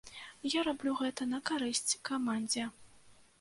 Я раблю гэта на карысць камандзе.